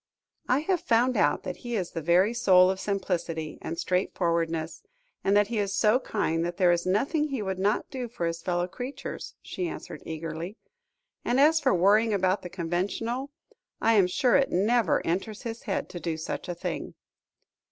"I have found out that he is the very soul of simplicity and straightforwardness, and that he is so kind that there is nothing he would not do for his fellow creatures," she answered eagerly; "and as for worrying about the conventional, I am sure it never enters his head to do such a thing."